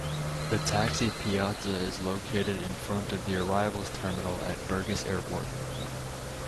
The Taxi Piazza is located in front of the Arrivals Terminal at Burgas Airport.